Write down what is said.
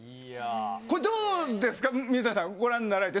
どうですか、水谷さんご覧になられて。